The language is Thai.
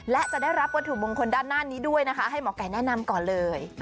และจะได้รับวัตถุมงคลด้านหน้านี้ด้วยนะคะให้หมอไก่แนะนำก่อนเลย